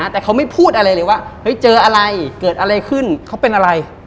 แต่เขาไม่พูดอะไรเลยว่าเฮ้ยเจออะไรเกิดอะไรขึ้นเขาเป็นอะไร